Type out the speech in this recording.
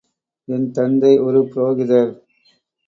என் தந்தை ஒரு புரோகிதர்.